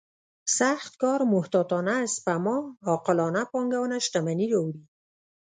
سخت کار محتاطانه سپما عاقلانه پانګونه شتمني راوړي.